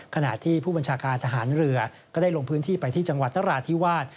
ขณะที่ผู้บัญชาการทหารเรือก็ได้ลงพื้นที่ไปที่จังหวัดนราธิวาส